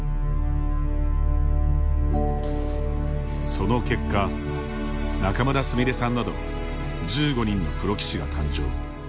その結果仲邑菫さんなど１５人のプロ棋士が誕生。